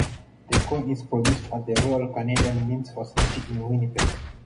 The coin is produced at the Royal Canadian Mint's facility in Winnipeg.